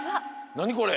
なにこれ。